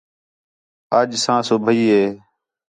اَڄ سا صُبیح ہے